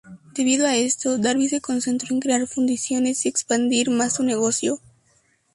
Debido a esto Darby se concentró en crear fundiciones y expandir más su negocio.